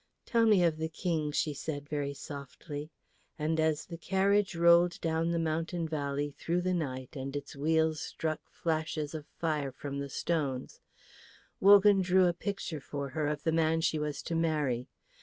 "Tell me of the King," she said very softly. And as the carriage rolled down the mountain valley through the night and its wheels struck flashes of fire from the stones, Wogan drew a picture for her of the man she was to marry.